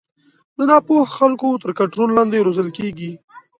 د نا پوه خلکو تر کنټرول لاندې روزل کېږي.